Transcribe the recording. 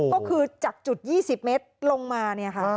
ก็คือจากจุด๒๐เมตรลงมา